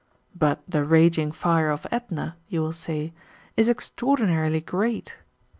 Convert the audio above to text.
" But the raging fire ofMtna^^ you will say, " is extraordi narily great."